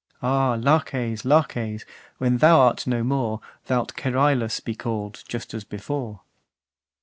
Ah, Laches, Laches! when thou art no more, Thou'lt Cerylus be called, just as before.